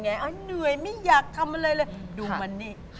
เหนื่อยไม่อยากทำอะไรเลยดูมันนี่